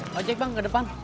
ngojek bang ke depan